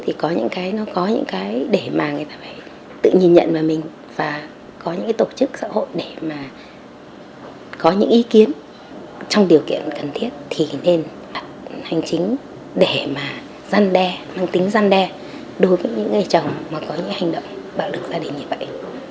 thì có những cái nó có những cái để mà người ta phải tự nhìn nhận vào mình và có những cái tổ chức xã hội để mà có những ý kiến trong điều kiện cần thiết thì nên hành chính để mà gian đe mang tính gian đe đối với những người chồng mà có những hành động bạo lực gia đình như vậy